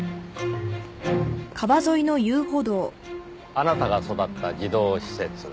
あなたが育った児童施設